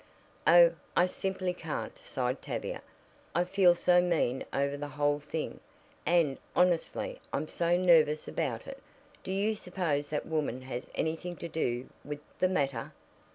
"Oh, I simply can't," sighed Tavia. "I feel so mean over the whole thing. And, honestly, I'm so nervous about it. Do you suppose that woman has anything to do with the matter?"